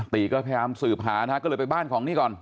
ก็พยายามสืบหานะฮะก็เลยไปบ้านของนี่ก่อน